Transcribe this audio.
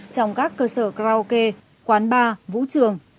trong các cơ sở karaoke quán bar vũ trường